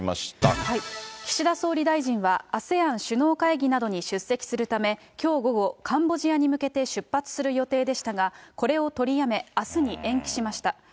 岸田総理大臣は、ＡＳＥＡＮ首脳会議などへ出席するため、きょう午後、カンボジアに向けて出発する予定でしたが、これを取りやめ、あすに延期しました。